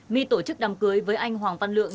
my tổ chức đàm cưới với anh hoàng văn lượng